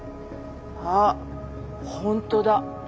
あっ本当だ。